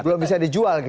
belum bisa dijual gitu